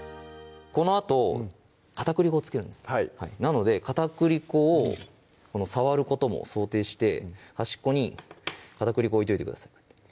このあと片栗粉をつけるんですはいなので片栗粉を触ることも想定して端っこに片栗粉置いといてください